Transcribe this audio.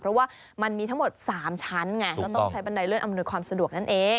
เพราะว่ามันมีทั้งหมด๓ชั้นไงก็ต้องใช้บันไดเลื่อนอำนวยความสะดวกนั่นเอง